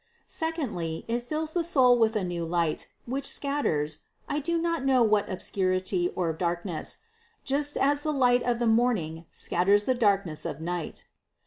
Secondly it fills the soul with a new light, which scatters, I do not know what obscurity and darkness, just as the light of the morning scatters the darkness of night.